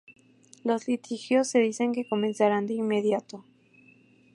Los litigios se dice que comenzarán de inmediato.